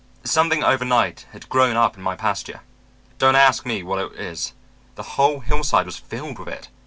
"Something over night had grown up in my pasture. Don't ask me what it is. The whole hillside was filled with it.